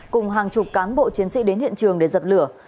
cùng hàng chục cán bộ chiến sĩ đến hiện trường để dập lửa